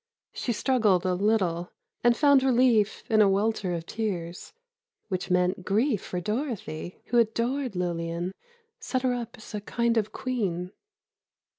She struggled a little, and found relief in a welter of tears. Which meant grief for Dorothy, who adored Lillian—set her up as a kind of queen.